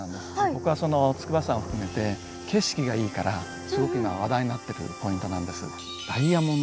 ここはその筑波山を含めて景色がいいからすごく今話題になってるポイントなんです。